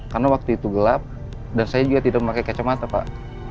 karena waktu itu gelap dan saya juga tidak memakai kacamata pak